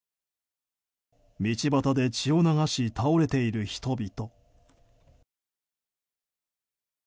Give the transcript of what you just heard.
道端で血を流し倒れている人々。